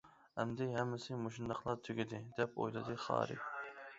ئەمدى ھەممىسى مۇشۇنداقلا تۈگىدى، دەپ ئويلىدى خارى.